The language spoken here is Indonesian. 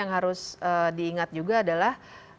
harus diingat juga adalah